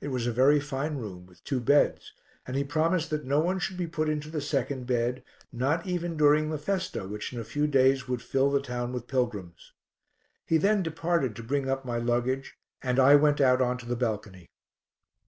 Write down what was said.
It was a very fine room with two beds, and he promised that no one should be put into the second bed, not even during the festa which in a few days would fill the town with pilgrims. He then departed to bring up my luggage and I went out on to the balcony.